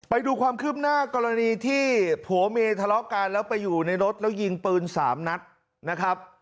ไปดูความคืบหน้ากรณีที่ผัวเมียทะเลาะกันแล้วไปอยู่ในรถแล้วยิงปืน๓นัดนะครับ